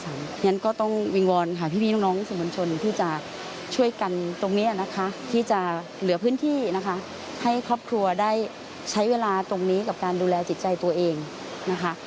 เพราะฉะนั้นก็ต้องวิงวอนหาพี่น้องสื่อมวลชนที่จะช่วยกันตรงนี้นะคะที่จะเหลือพื้นที่นะคะให้ครอบครัวได้ใช้เวลาตรงนี้กับการดูแลจิตใจตัวเองนะคะ